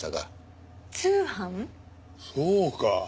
そうか。